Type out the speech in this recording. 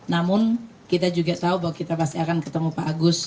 namun kita juga tahu bahwa kita pasti akan ketemu pak agus